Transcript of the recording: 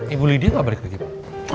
ibu lidia nggak balik lagi pak